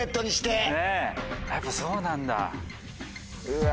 やっぱそうなんだ。